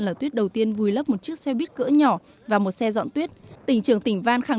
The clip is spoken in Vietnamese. lở tuyết đầu tiên vùi lấp một chiếc xe buýt cỡ nhỏ và một xe dọn tuyết tỉnh trường tỉnh van khẳng